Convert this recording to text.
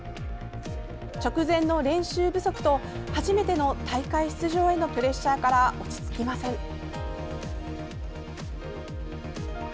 直前の練習不足と初めての大会出場へのプレッシャーから落ち着きません。